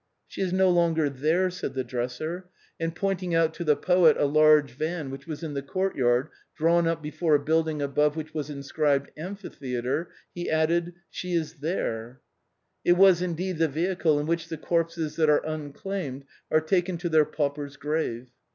" She is no longer there," said the dresser. And point EPILOGUE TO THE LOVES OF RODOLPHE AND MIMI. 337 ing out to the poet a large van which was in the courtyard drawn up before a building above which was inscribed " Amphithéâtre," he added, " She is there." It was indeed the vehicle in which the corpses that are unclaimed are taken to their pauper's grave.